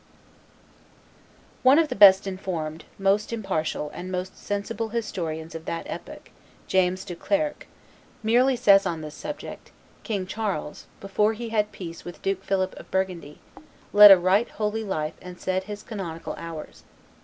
[Illustration: Agnes Sorel 175] One of the best informed, most impartial, and most sensible historians of that epoch, James Duclercq, merely says on this subject, King Charles, before he had peace with Duke Philip of Burgundy, led a right holy life and said his canonical hours.